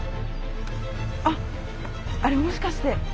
あっあれもしかして。